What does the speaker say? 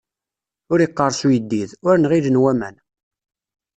Ur iqqeṛṣ uyeddid, ur nɣilen waman.